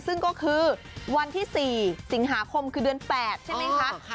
ซึ่งก็คือวันที่๔สิงหาคมคือเดือน๘ใช่ไหมคะ